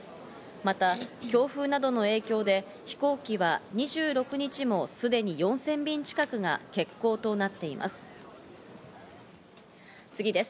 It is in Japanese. また強風などの影響で飛行機は２６日もすでに４０００便近くが欠航となっています。